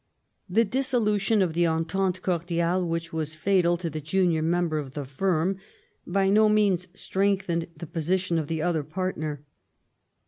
The dissolution of the entente cordiale, which was fatal to the junior member of the firm, by no means strengthened the position of the other partner.